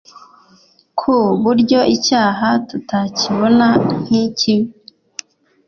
ku buryo icyaha tutakibona nkikibi